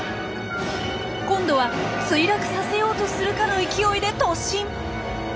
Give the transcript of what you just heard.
今度は墜落させようとするかの勢いで突進。